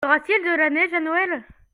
Y aura-t-il de la neige à Noël ?